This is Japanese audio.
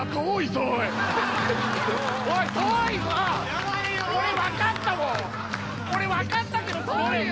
おい遠いぞ俺分かったけど遠いよ